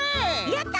やった！